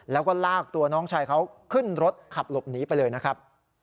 แล้วก็ลากตัวน้องชายเขาขึ้นรถขับหลบหนีไปเลยนะครับ